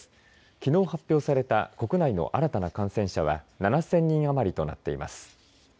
きのう発表された国内の新たな感染者は７０００人余りとなっています。